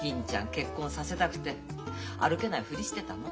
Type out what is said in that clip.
結婚させたくて歩けないふりしてたの。